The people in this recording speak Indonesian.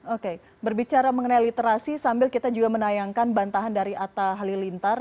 oke berbicara mengenai literasi sambil kita juga menayangkan bantahan dari atta halilintar